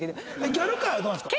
ギャル界はどうなんですか？